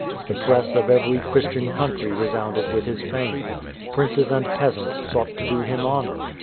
The Press of every Christian country resounded with his fame. Princes and peasants sought to do him honour.